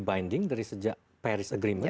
binding dari sejak paris agreement